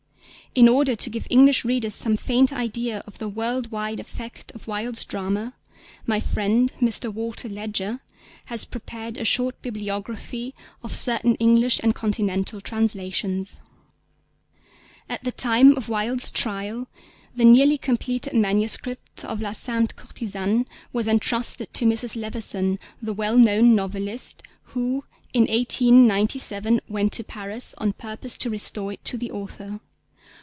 In order to give English readers some faint idea of the world wide effect of Wilde's drama, my friend Mr. Walter Ledger has prepared a short bibliography of certain English and Continental translations. At the time of Wilde's trial the nearly completed MS. of La Sainte Courtisane was entrusted to Mrs. Leverson, the well known novelist, who in 1897 went to Paris on purpose to restore it to the author.